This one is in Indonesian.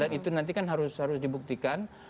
dan itu nanti kan harus dibuktikan